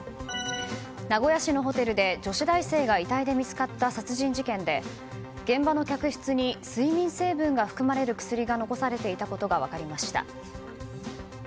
名古屋市のホテルで女子大生が遺体で見つかった殺人事件で現場の客室に睡眠成分が含まれる薬が残されていたことが分かりました。